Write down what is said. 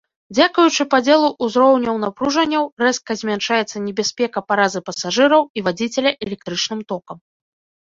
Дзякуючы падзелу узроўняў напружанняў, рэзка змяншаецца небяспека паразы пасажыраў і вадзіцеля электрычным токам.